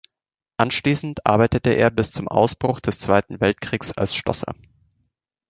Anschließend arbeitete er bis zum Ausbruch des Zweiten Weltkrieges als Schlosser.